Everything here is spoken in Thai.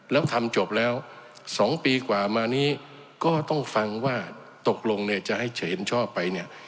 แล้วทำจบแล้ว๒ปีกว่ามานี้ก็ต้องฟังว่าตกลงเนี่ยจะให้เฉินชอบไปเนี่ย